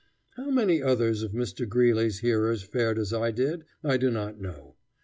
How many others of Mr. Greeley's hearers fared as I did I do not know.